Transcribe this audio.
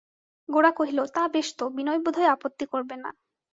গোরা কহিল, তা, বেশ তো– বিনয় বোধ হয় আপত্তি করবে না।